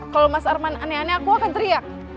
kalau mas arman aneh aneh aku akan teriak